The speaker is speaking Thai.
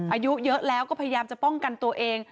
อายุเยอะแล้วก็พยายามจะป้องกันตัวเอง